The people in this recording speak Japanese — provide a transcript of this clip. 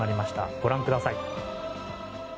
ご覧ください。